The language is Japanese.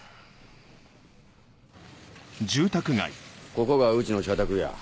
ここがうちの社宅や。